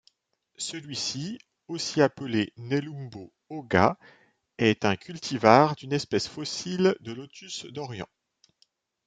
Celui-ci, aussi appelé Nelumbo 'Ōga', est un cultivar d'une espèce fossile de Lotus d'Orient.